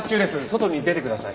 外に出てください。